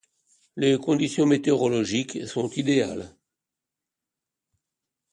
Les conditions météorologiques sont idéales.